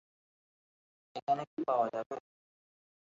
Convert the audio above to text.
এখানে কি পাওয়া যাবে?